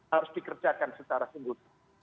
harus dikerjakan secara simbol